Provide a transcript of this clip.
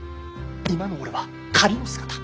今の俺は仮の姿。